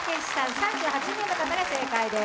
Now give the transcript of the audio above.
３８名の方が正解です。